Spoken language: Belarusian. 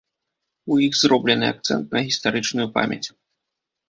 У іх зроблены акцэнт на гістарычнаю памяць.